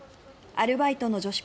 アルバイトの女子